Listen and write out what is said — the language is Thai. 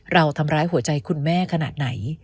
เราทำร้ายหัวใจคุณแม่ขนาดไหน